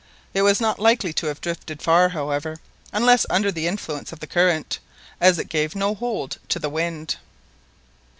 It was not likely to have drifted far, however, unless under the influence of the current, as it gave no hold to the wind.